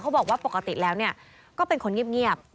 บอกว่าปกติแล้วก็เป็นคนเงียบ